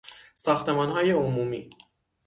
ساختمانهای عمومی